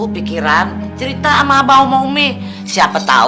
masih marah sama umi sama abah